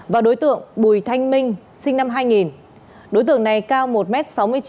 và đối tượng bùi thanh minh sinh năm hai nghìn đối tượng này cao một sáu mươi chín m và có sẹo chấm trên trước đầu lông mày phải